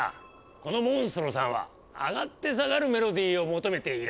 このモンストロさんは上がって下がるメロディーを求めていらっしゃる。